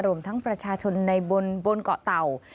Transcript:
รวมทั้งประชาชนในบนเกาะเต่า